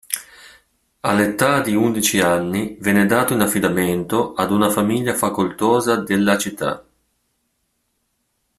All'età di undici anni, viene dato in affidamento ad una famiglia facoltosa della città.